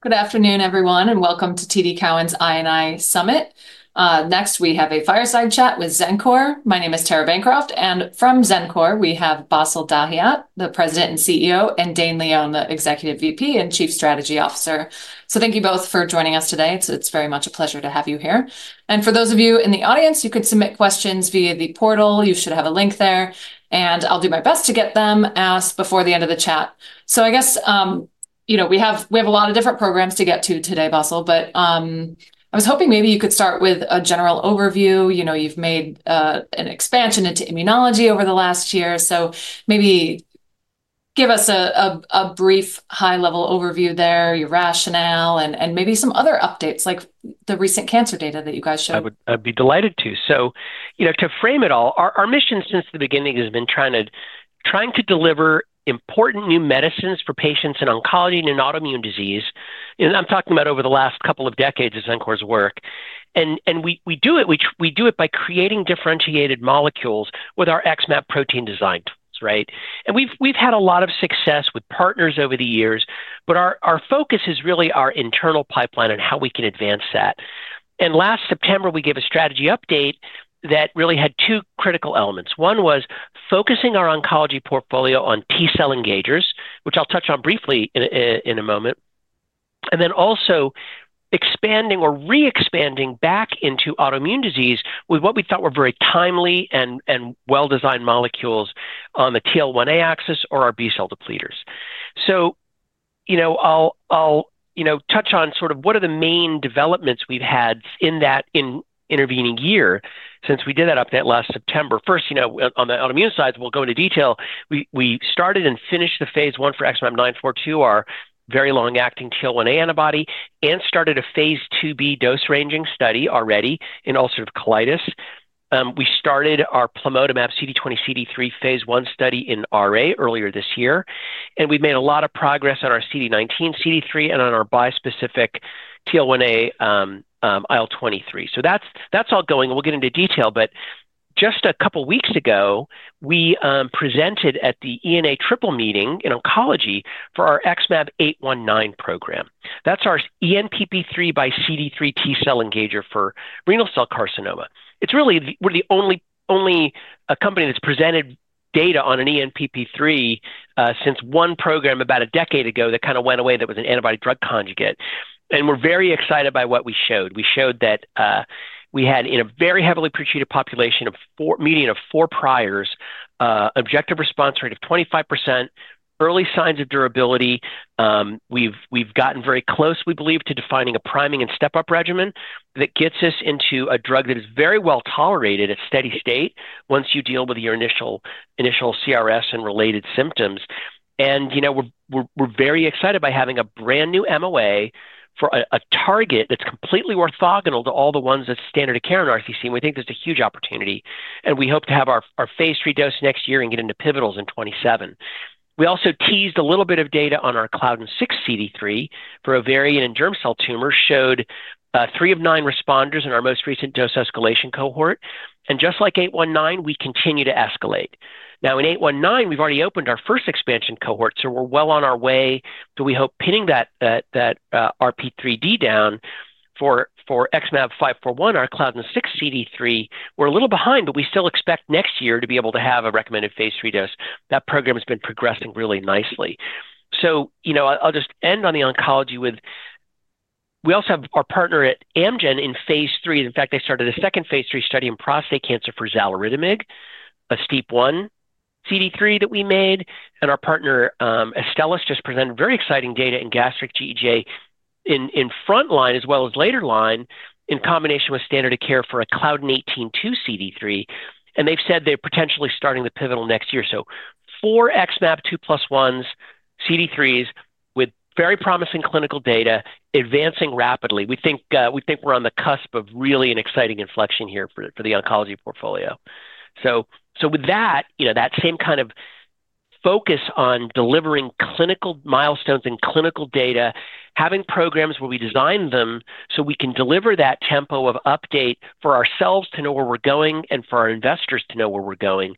Good afternoon, everyone, and welcome to` TD Cowen's I&I Summit. Next, we have a fireside chat with Xencor. My name is Tara Bancroft, and from Xencor, we have Bassil Dahiyat, the President and CEO, and Dane Leon, the Executive VP and Chief Strategy Officer. Thank you both for joining us today. It is very much a pleasure to have you here. For those of you in the audience, you could submit questions via the portal. You should have a link there, and I'll do my best to get them asked before the end of the chat. I guess, you know, we have a lot of different programs to get to today, Bassil, but I was hoping maybe you could start with a general overview. You've made an expansion into immunology over the last year, so maybe give us a brief high-level overview there, your rationale, and maybe some other updates, like the recent cancer data that you guys showed. I'd be delighted to. You know, to frame it all, our mission since the beginning has been trying to deliver important new medicines for patients in oncology and in autoimmune disease. I'm talking about over the last couple of decades of Xencor's work. We do it by creating differentiated molecules with our XmAb protein design tools, right? We've had a lot of success with partners over the years, but our focus is really our internal pipeline and how we can advance that. Last September, we gave a strategy update that really had two critical elements. One was focusing our oncology portfolio on T-cell engagers, which I'll touch on briefly in a moment, and then also expanding or re-expanding back into autoimmune disease with what we thought were very timely and well-designed molecules on the TL1A axis or our B-cell depleters. So, you know, I'll touch on sort of what are the main developments we've had in that intervening year since we did that update last September. First, you know, on the autoimmune side, we'll go into detail. We started and finished the phase I for XmAb942, very long-acting TL1A antibody, and started a phase II-B dose-ranging study already in ulcerative colitis. We started our plamotamab CD20xCD3 phase I study in RA earlier this year, and we've made a lot of progress on our CD19xCD3 and on our bispecific TL1A IL-23. So that's all going, and we'll get into detail, but just a couple of weeks ago, we presented at the ENA triple meeting in oncology for our XmAb819 program. That's our ENPP3xCD3 T-cell engager for renal cell carcinoma. It's really, we're the only company that's presented data on an ENPP3 since one program about a decade ago that kind of went away that was an antibody-drug conjugate. We're very excited by what we showed. We showed that we had, in a very heavily pretreated population of median of four priors, an objective response rate of 25%, early signs of durability. We've gotten very close, we believe, to defining a priming and step-up regimen that gets us into a drug that is very well tolerated at steady state once you deal with your initial CRS and related symptoms. You know, we're very excited by having a brand new MOA for a target that's completely orthogonal to all the ones that standard of care in RCC, and we think there's a huge opportunity. We hope to have our phase III dose next year and get into pivotals in 2027. We also teased a little bit of data on our CLDN6 CD3 for ovarian and germ cell tumor, showed three of nine responders in our most recent dose escalation cohort. Just like 819, we continue to escalate. Now, in 819, we've already opened our first expansion cohort, so we're well on our way to, we hope, pinning that RP3D down for XmAb541, our CLDN6 CD3. We're a little behind, but we still expect next year to be able to have a recommended phase III dose. That program has been progressing really nicely. You know, I'll just end on the oncology with, we also have our partner at Amgen in phase III. In fact, they started a second phase III study in prostate cancer for Xaluritamig, a STEAP1xCD3 that we made. Our partner, Astellas, just presented very exciting data in gastric GEJ in front line as well as later line in combination with standard of care for a Claudin 18.2xCD3. They have said they are potentially starting the pivotal next year. Four XmAb two plus ones CD3s with very promising clinical data advancing rapidly. We think we are on the cusp of really an exciting inflection here for the oncology portfolio. With that, you know, that same kind of focus on delivering clinical milestones and clinical data, having programs where we design them so we can deliver that tempo of update for ourselves to know where we are going and for our investors to know where we are going.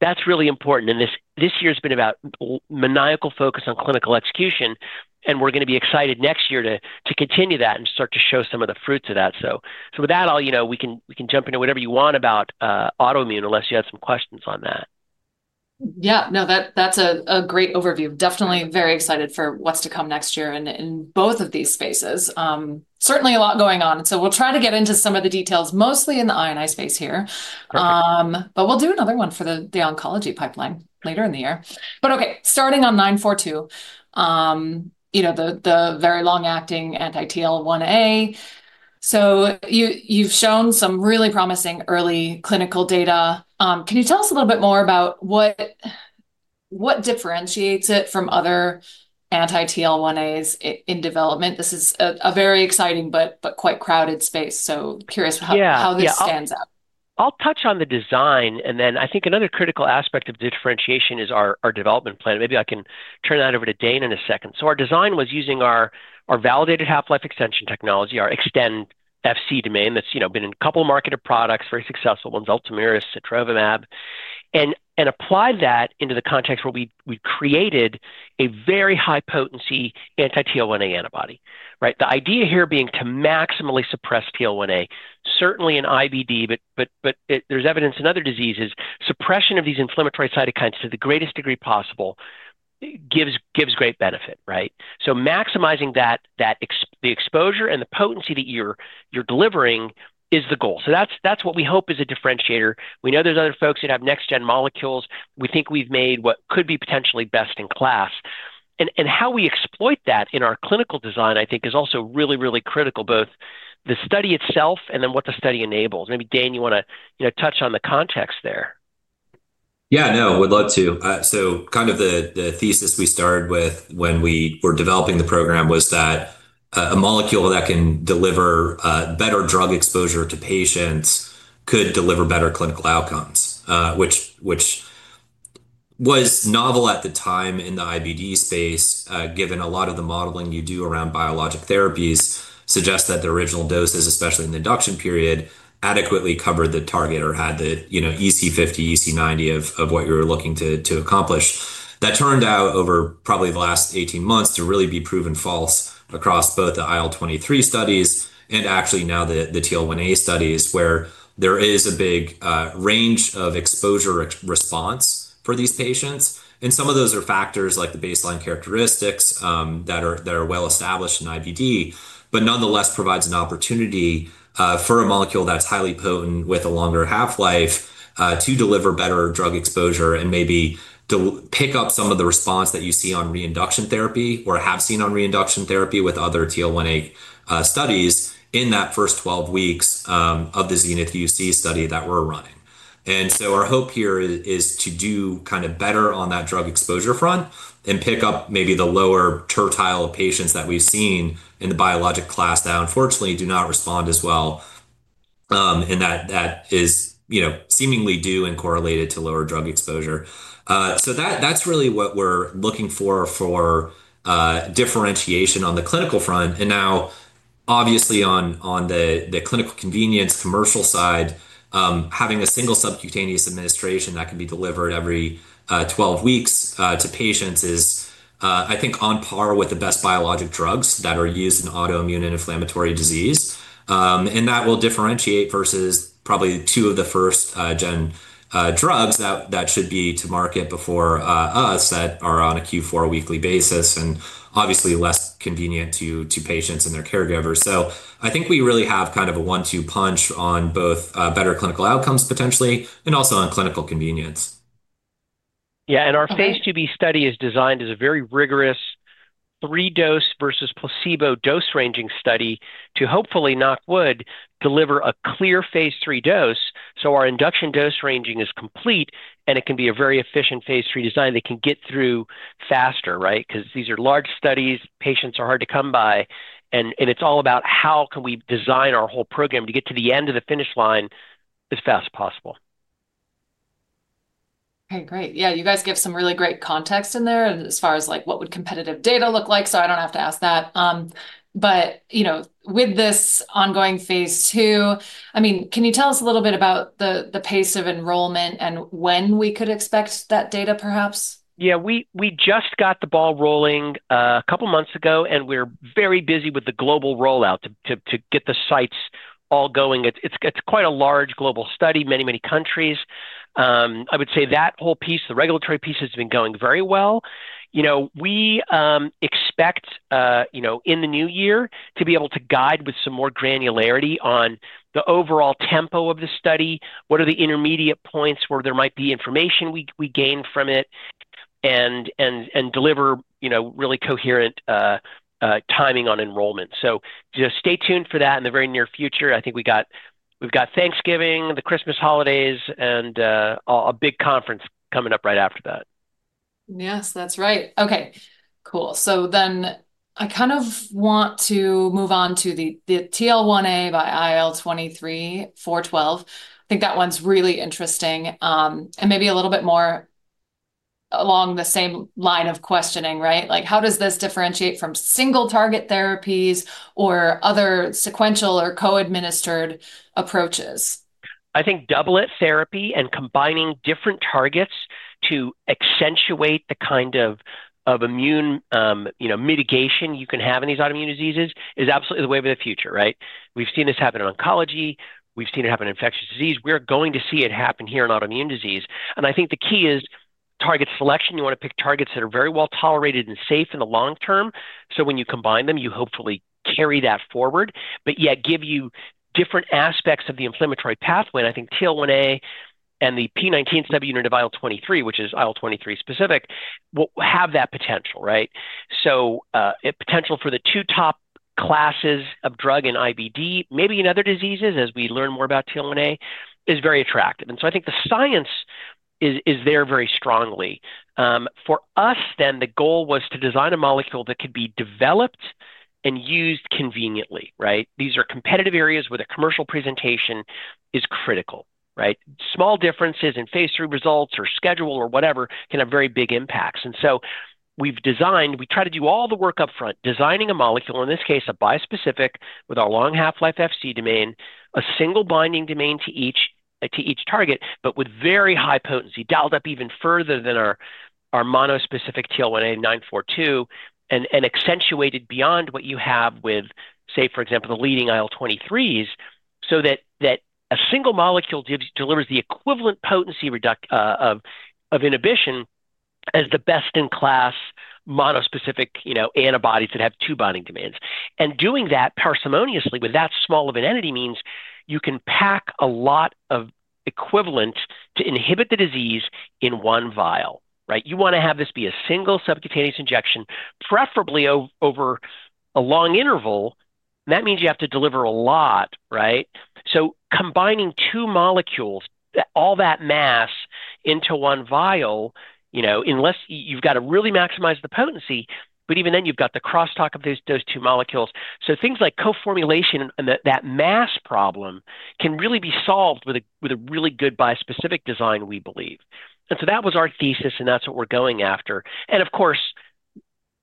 That is really important. This year has been about maniacal focus on clinical execution, and we're going to be excited next year to continue that and start to show some of the fruits of that. With that, I'll, you know, we can jump into whatever you want about autoimmune unless you had some questions on that. Yeah, no, that's a great overview. Definitely very excited for what's to come next year in both of these spaces. Certainly a lot going on. We'll try to get into some of the details, mostly in the I&I space here. Perfect. We'll do another one for the oncology pipeline later in the year. Okay, starting on 942, you know, the very long-acting anti-TL1A. You've shown some really promising early clinical data. Can you tell us a little bit more about what differentiates it from other anti-TL1As in development? This is a very exciting but quite crowded space, so curious how this stands out. Yeah, I'll touch on the design, and then I think another critical aspect of differentiation is our development plan. Maybe I can turn that over to Dane in a second. Our design was using our validated half-life extension technology, our Xtend Fc domain that's, you know, been in a couple of marketed products, very successful ones, Ultomiris, Sotrovimab, and applied that into the context where we created a very high potency anti-TL1A antibody, right? The idea here being to maximally suppress TL1A, certainly in IBD, but there's evidence in other diseases, suppression of these inflammatory cytokines to the greatest degree possible gives great benefit, right? Maximizing that, the exposure and the potency that you're delivering is the goal. That's what we hope is a differentiator. We know there's other folks who have next-gen molecules. We think we've made what could be potentially best in class. How we exploit that in our clinical design, I think, is also really, really critical, both the study itself and then what the study enables. Maybe Dane, you want to touch on the context there? Yeah, no, would love to. Kind of the thesis we started with when we were developing the program was that a molecule that can deliver better drug exposure to patients could deliver better clinical outcomes, which was novel at the time in the IBD space, given a lot of the modeling you do around biologic therapies suggests that the original doses, especially in the induction period, adequately covered the target or had the EC50, EC90 of what you were looking to accomplish. That turned out over probably the last 18 months to really be proven false across both the IL-23 studies and actually now the TL1A studies, where there is a big range of exposure response for these patients. Some of those are factors like the baseline characteristics that are well established in IBD, but nonetheless provide an opportunity for a molecule that's highly potent with a longer half-life to deliver better drug exposure and maybe pick up some of the response that you see on reinduction therapy or have seen on reinduction therapy with other TL1A studies in that first 12 weeks of theXENITH -UC study that we're running. Our hope here is to do kind of better on that drug exposure front and pick up maybe the lower tertile of patients that we've seen in the biologic class that unfortunately do not respond as well, and that is, you know, seemingly due and correlated to lower drug exposure. That's really what we're looking for for differentiation on the clinical front. Obviously, on the clinical convenience commercial side, having a single subcutaneous administration that can be delivered every 12 weeks to patients is, I think, on par with the best biologic drugs that are used in autoimmune and inflammatory disease. That will differentiate versus probably two of the first-gen drugs that should be to market before us that are on a Q4 weekly basis and obviously less convenient to patients and their caregivers. I think we really have kind of a one-two punch on both better clinical outcomes potentially and also on clinical convenience. Yeah, and our phase II-B study is designed as a very rigorous three-dose versus placebo dose-ranging study to hopefully, knock wood, deliver a clear phase III dose so our induction dose ranging is complete and it can be a very efficient phase III design that can get through faster, right? Because these are large studies, patients are hard to come by, and it's all about how can we design our whole program to get to the end of the finish line as fast as possible. Okay, great. Yeah, you guys give some really great context in there as far as like what would competitive data look like, so I don't have to ask that. But, you know, with this ongoing phase II, I mean, can you tell us a little bit about the pace of enrollment and when we could expect that data, perhaps? Yeah, we just got the ball rolling a couple of months ago, and we're very busy with the global rollout to get the sites all going. It's quite a large global study, many, many countries. I would say that whole piece, the regulatory piece, has been going very well. You know, we expect, you know, in the new year to be able to guide with some more granularity on the overall tempo of the study, what are the intermediate points where there might be information we gain from it, and deliver, you know, really coherent timing on enrollment. Just stay tuned for that in the very near future. I think we've got Thanksgiving, the Christmas holidays, and a big conference coming up right after that. Yes, that's right. Okay, cool. I kind of want to move on to the TL1A by IL-23 412. I think that one's really interesting and maybe a little bit more along the same line of questioning, right? Like, how does this differentiate from single target therapies or other sequential or co-administered approaches? I think doublet therapy and combining different targets to accentuate the kind of immune mitigation you can have in these autoimmune diseases is absolutely the way of the future, right? We've seen this happen in oncology. We've seen it happen in infectious disease. We're going to see it happen here in autoimmune disease. I think the key is target selection. You want to pick targets that are very well tolerated and safe in the long term. When you combine them, you hopefully carry that forward, but yet give you different aspects of the inflammatory pathway. I think TL1A and the P19 subunit of IL-23, which is IL-23 specific, have that potential, right? Potential for the two top classes of drug in IBD, maybe in other diseases as we learn more about TL1A, is very attractive. I think the science is there very strongly. For us, then, the goal was to design a molecule that could be developed and used conveniently, right? These are competitive areas where the commercial presentation is critical, right? Small differences in phase III results or schedule or whatever can have very big impacts. We try to do all the work upfront, designing a molecule, in this case, a bispecific with our long half-life Fc domain, a single binding domain to each target, but with very high potency, dialed up even further than our monospecific TL1A 942, and accentuated beyond what you have with, say, for example, the leading IL-23s, so that a single molecule delivers the equivalent potency of inhibition as the best in class monospecific, you know, antibodies that have two binding domains. Doing that parsimoniously with that small of an entity means you can pack a lot of equivalent to inhibit the disease in one vial, right? You want to have this be a single subcutaneous injection, preferably over a long interval. That means you have to deliver a lot, right? Combining two molecules, all that mass into one vial, you know, unless you've got to really maximize the potency, but even then you've got the crosstalk of those two molecules. Things like co-formulation and that mass problem can really be solved with a really good bispecific design, we believe. That was our thesis and that's what we're going after. Of course,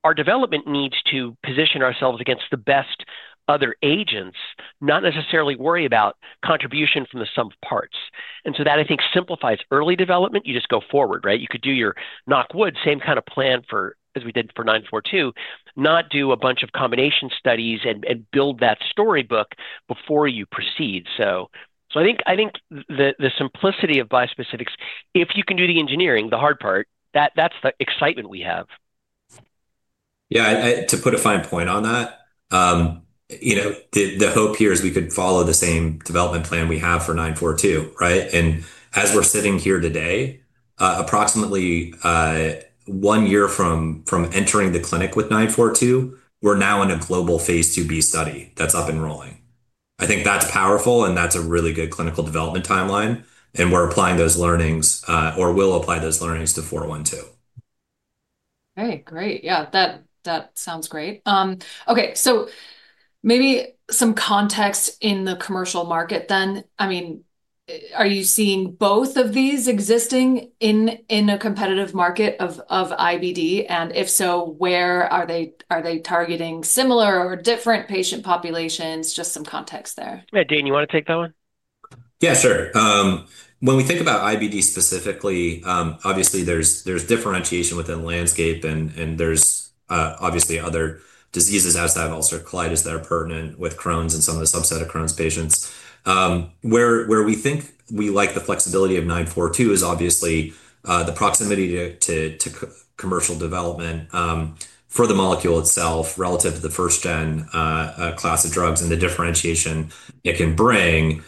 our development needs to position ourselves against the best other agents, not necessarily worry about contribution from the sum of parts. That, I think, simplifies early development. You just go forward, right? You could do your knock wood, same kind of plan for, as we did for 942, not do a bunch of combination studies and build that storybook before you proceed. I think the simplicity of bispecifics, if you can do the engineering, the hard part, that's the excitement we have. Yeah, to put a fine point on that, you know, the hope here is we could follow the same development plan we have for 942, right? As we're sitting here today, approximately one year from entering the clinic with 942, we're now in a global phase II-B study that's up and rolling. I think that's powerful and that's a really good clinical development timeline. We're applying those learnings or will apply those learnings to 412. Okay, great. Yeah, that sounds great. Okay, so maybe some context in the commercial market then. I mean, are you seeing both of these existing in a competitive market of IBD? If so, where are they targeting similar or different patient populations? Just some context there. Yeah, Dane, you want to take that one? Yeah, sure. When we think about IBD specifically, obviously there's differentiation within the landscape and there's obviously other diseases outside of ulcerative colitis that are pertinent with Crohn's and some of the subset of Crohn's patients. Where we think we like the flexibility of 942 is obviously the proximity to commercial development for the molecule itself relative to the first-gen class of drugs and the differentiation it can bring.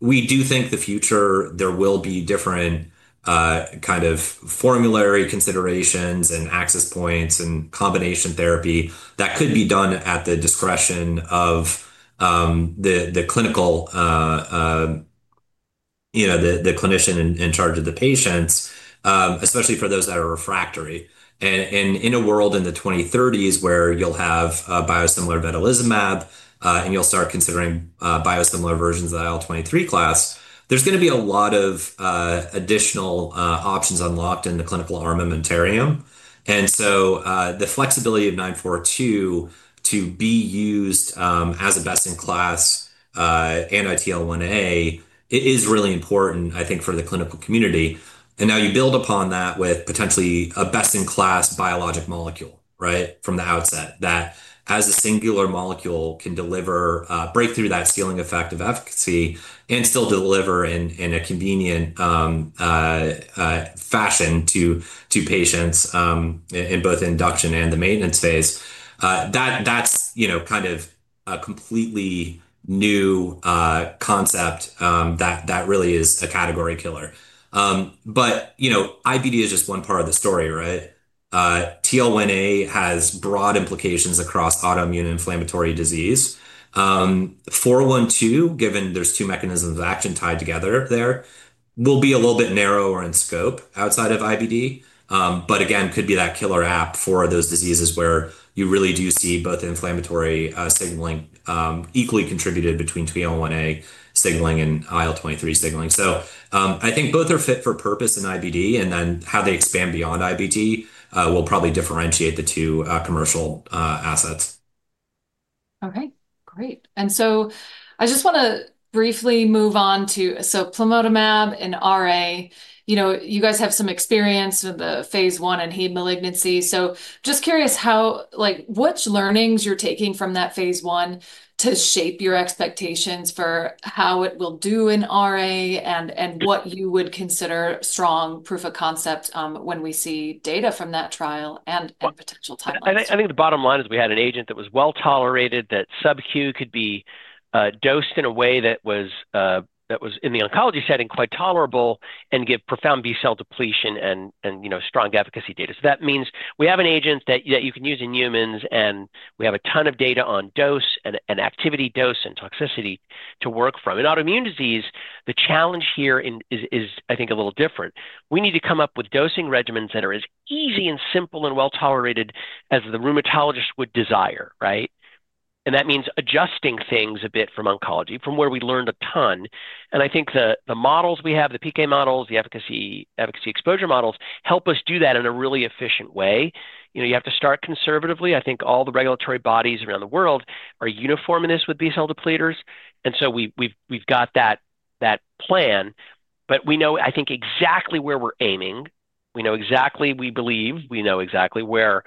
We do think the future there will be different kind of formulary considerations and access points and combination therapy that could be done at the discretion of the clinical, you know, the clinician in charge of the patients, especially for those that are refractory. In a world in the 2030s where you'll have biosimilar vedolizumab and you'll start considering biosimilar versions of the IL-23 class, there's going to be a lot of additional options unlocked in the clinical armamentarium. The flexibility of 942 to be used as a best-in-class anti-TL1A is really important, I think, for the clinical community. You build upon that with potentially a best-in-class biologic molecule, right, from the outset that as a singular molecule can deliver, break through that ceiling effect of efficacy and still deliver in a convenient fashion to patients in both induction and the maintenance phase. That is, you know, kind of a completely new concept that really is a category killer. You know, IBD is just one part of the story, right? TL1A has broad implications across autoimmune inflammatory disease. 412, given there are two mechanisms of action tied together there, will be a little bit narrower in scope outside of IBD, but again, could be that killer app for those diseases where you really do see both inflammatory signaling equally contributed between TL1A signaling and IL-23 signaling. I think both are fit for purpose in IBD, and then how they expand beyond IBD will probably differentiate the two commercial assets. Okay, great. I just want to briefly move on to Plamotamab and RA. You know, you guys have some experience in the phase I in heme malignancy. Just curious how, like, which learnings you're taking from that phase I to shape your expectations for how it will do in RA and what you would consider strong proof of concept when we see data from that trial and potential timelines? I think the bottom line is we had an agent that was well tolerated, that subQ could be dosed in a way that was in the oncology setting quite tolerable and give profound B cell depletion and, you know, strong efficacy data. That means we have an agent that you can use in humans, and we have a ton of data on dose and activity dose and toxicity to work from. In autoimmune disease, the challenge here is, I think, a little different. We need to come up with dosing regimens that are as easy and simple and well tolerated as the rheumatologist would desire, right? That means adjusting things a bit from oncology, from where we learned a ton. I think the models we have, the PK models, the efficacy exposure models, help us do that in a really efficient way. You know, you have to start conservatively. I think all the regulatory bodies around the world are uniform in this with B-cell depleters. And so, we've got that plan, but we know, I think, exactly where we're aiming. We know exactly, we believe we know exactly where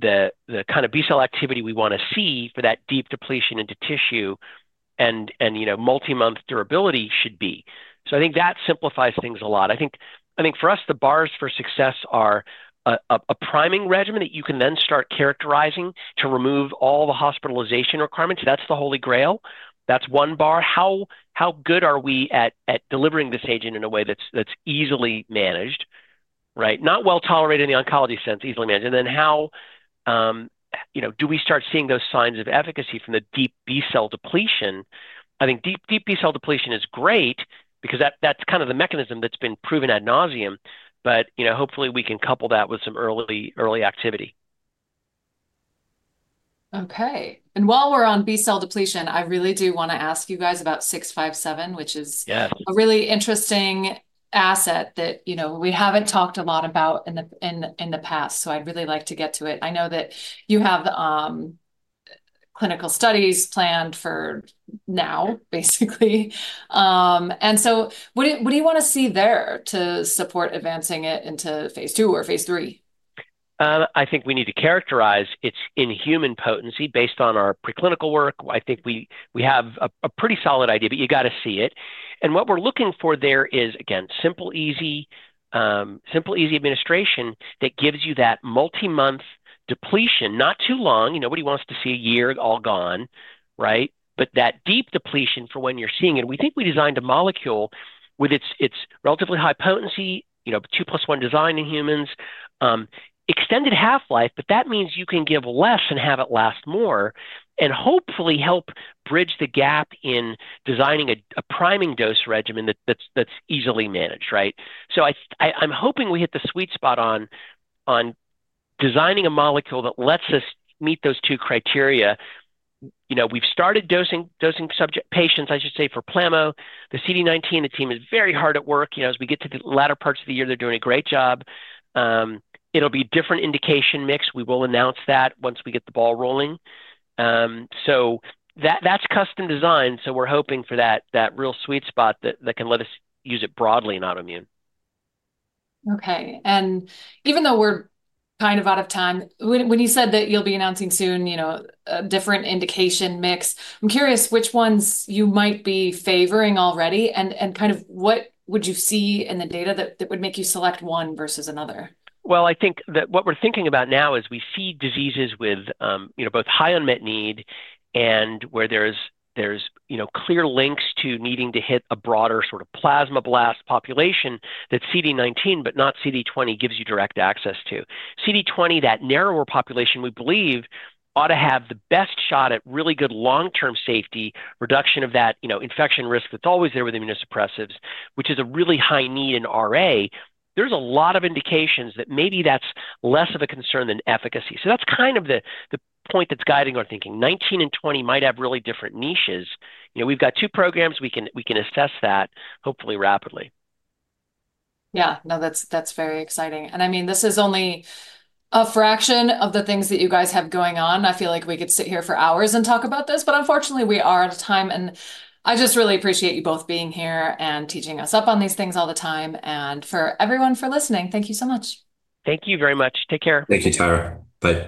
the kind of B-cell activity we want to see for that deep depletion into tissue and, you know, multi-month durability should be. I think that simplifies things a lot. I think for us, the bars for success are a priming regimen that you can then start characterizing to remove all the hospitalization requirements. That's the holy grail. That's one bar. How good are we at delivering this agent in a way that's easily managed, right? Not well tolerated in the oncology sense, easily managed. How, you know, do we start seeing those signs of efficacy from the deep B-cell depletion? I think deep B-cell depletion is great because that's kind of the mechanism that's been proven ad nauseam, but, you know, hopefully we can couple that with some early activity. Okay. While we're on B cell depletion, I really do want to ask you guys about 657, which is a really interesting asset that, you know, we haven't talked a lot about in the past. I'd really like to get to it. I know that you have clinical studies planned for now, basically. What do you want to see there to support advancing it into phase II or phase three? I think we need to characterize its inhuman potency based on our preclinical work. I think we have a pretty solid idea, but you got to see it. What we're looking for there is, again, simple, easy administration that gives you that multi-month depletion, not too long. Nobody wants to see a year all gone, right? That deep depletion for when you're seeing it. We think we designed a molecule with its relatively high potency, you know, two plus one design in humans, extended half-life, but that means you can give less and have it last more and hopefully help bridge the gap in designing a priming dose regimen that's easily managed, right? I'm hoping we hit the sweet spot on designing a molecule that lets us meet those two criteria. You know, we've started dosing patients, I should say, for plamotamab, the CD19, the team is very hard at work. You know, as we get to the latter parts of the year, they're doing a great job. It'll be a different indication mix. We will announce that once we get the ball rolling. That's custom design. We're hoping for that real sweet spot that can let us use it broadly in autoimmune. Okay. Even though we're kind of out of time, when you said that you'll be announcing soon, you know, a different indication mix, I'm curious which ones you might be favoring already and kind of what would you see in the data that would make you select one versus another? I think that what we're thinking about now is we see diseases with, you know, both high unmet need and where there's, you know, clear links to needing to hit a broader sort of plasma blast population that CD19, but not CD20, gives you direct access to. CD20, that narrower population, we believe ought to have the best shot at really good long-term safety, reduction of that, you know, infection risk that's always there with immunosuppressives, which is a really high need in RA. There's a lot of indications that maybe that's less of a concern than efficacy. That's kind of the point that's guiding our thinking. 19 and 20 might have really different niches. You know, we've got two programs. We can assess that hopefully rapidly. Yeah. No, that's very exciting. I mean, this is only a fraction of the things that you guys have going on. I feel like we could sit here for hours and talk about this, but unfortunately, we are out of time. I just really appreciate you both being here and teaching us up on these things all the time. For everyone for listening, thank you so much. Thank you very much. Take care. Thank you, Tara. Bye.